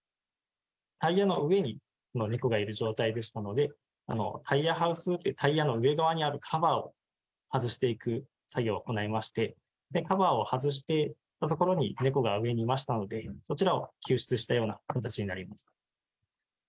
タイヤの上に猫がいる状態でしたので、タイヤの上側のカバーを外していく作業を行いまして、で、カバーを外した所に、猫が上にいましたので、そちらを救出したような形になります。